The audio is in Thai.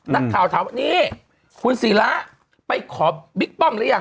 นักข่าวถามว่านี่คุณศิระไปขอบิ๊กป้อมหรือยัง